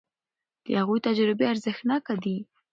د هغوی تجربې ارزښتناکه دي.